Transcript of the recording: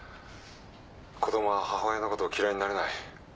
子供は母親のことを嫌いになれない。